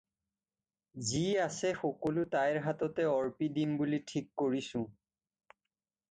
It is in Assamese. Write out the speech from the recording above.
যি আছে সকলো তাইৰ হাততে অৰ্পি দিম বুলি ঠিক কৰিছোঁ।